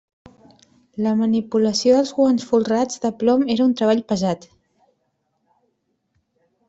La manipulació dels guants folrats de plom era un treball pesat.